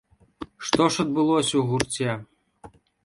Што ж адбылося ў гурце?